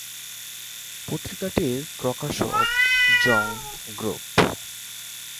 পত্রিকাটির প্রকাশক জং গ্রুপ।